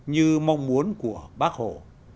như mong muốn của bác hồ